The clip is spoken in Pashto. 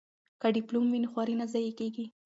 که ډیپلوم وي نو خواري نه ضایع کیږي.